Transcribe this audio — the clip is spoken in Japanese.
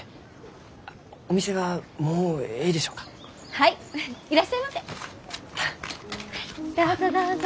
はいどうぞどうぞ。